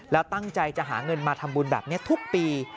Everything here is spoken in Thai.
แล้วตั้งใจจะหาเงินมาทำบุญแบบนี้ทุกปี